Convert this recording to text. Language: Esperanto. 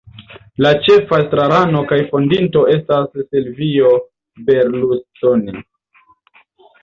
La ĉefa estrarano kaj fondinto estas Silvio Berlusconi.